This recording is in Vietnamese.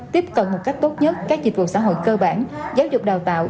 tiếp cận một cách tốt nhất các dịch vụ xã hội cơ bản giáo dục đào tạo